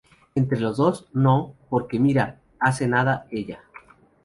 entre los dos, ¿ no? por que mira, hace nada, ella...